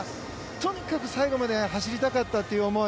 とにかく最後まで走りたかったっていう思い。